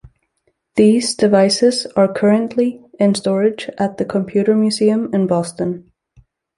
These devices are currently in storage at the Computer Museum in Boston.